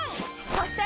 そして！